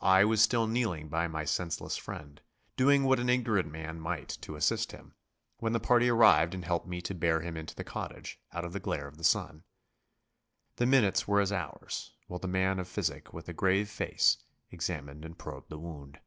I was still kneeling by my senseless friend, doing what an ignorant man might to assist him, when the party arrived and helped me to bear him into the cottage, out of the glare of the sun. The minutes were as hours while the man of physic with a grave face examined and probed the wound.